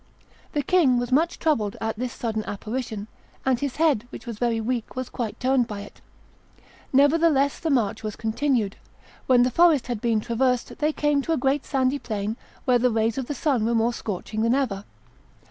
The king was much troubled at this sudden apparition; and his head, which was very weak, was quite turned by it. Nevertheless the march was continued. When the forest had been traversed, they came to a great sandy plain, where the rays of the sun were more scorching than ever.